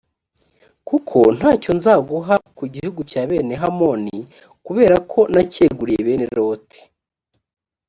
kuko nta cyo nzaguha ku gihugu cya bene hamoni, kubera ko nacyeguriye bene loti.